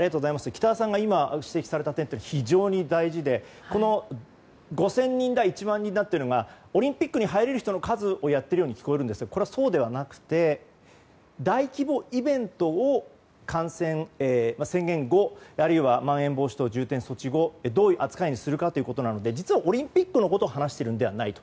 北田さんが今指摘された点は非常に大事で、５０００人だ１万人だというのがオリンピックに入れる人の数をやっているように聞こえるんですがそうではなくて大規模イベントを宣言後、あるいはまん延防止等重点措置後どういう扱いにするかということなのでオリンピックのことを話しているのではないと。